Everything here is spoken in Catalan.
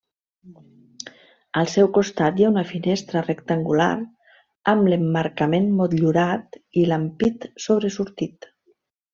Al seu costat hi ha una finestra rectangular amb l'emmarcament motllurat i l'ampit sobresortit.